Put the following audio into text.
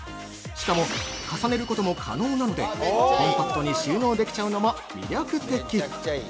しかも、重ねることも可能なのでコンパクトに収納できちゃうのも魅力的！